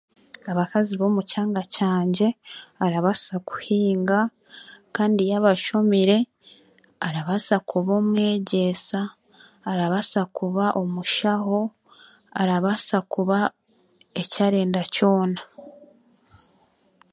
Abakazi b'omukyanga kyangye arabaasa kuhinga, kandi yaaba ashomire, arabaasa kuba omwegyeesa, arabaasa kuba omushaho, arabaasa kuba ekyarenda kyona.